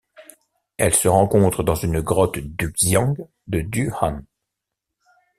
Elle se rencontre dans une grotte du xian de Du'an.